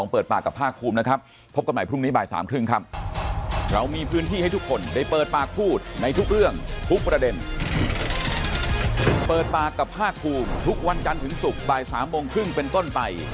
เปิดปากกับภาคภูมิทุกวันจันทร์ถึงศุกร์บ่าย๓โมงครึ่งเป็นต้นไป